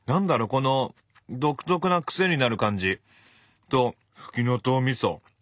この独特な癖になる感じとふきのとうみそ。